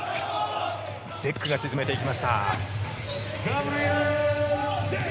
デックが沈めていきました。